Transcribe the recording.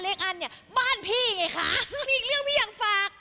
อั้นเนี่ยบ้านพี่ไงคะมีอีกเรื่องพี่อยากฝาก